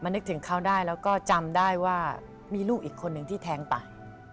นึกถึงเขาได้แล้วก็จำได้ว่ามีลูกอีกคนนึงที่แท้งไป